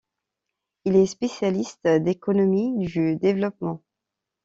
Il est spécialiste d'économie du développement.